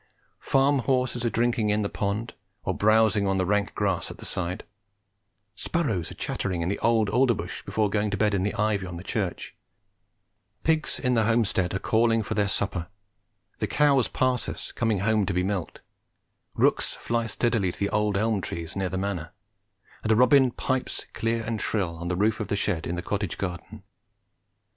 Farm horses are drinking in the pond or browsing on the rank grass at the side; sparrows are chattering in the old alder bush before going to bed in the ivy on the church; pigs in the homestead are calling for their supper; the cows pass us coming home to be milked; rooks fly steadily to the old elm trees near the Manor; and a robin pipes clear and shrill on the roof of the shed in the cottage garden.